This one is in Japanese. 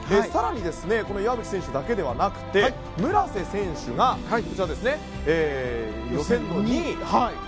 更に、岩渕選手だけではなくて村瀬選手が予選の２位。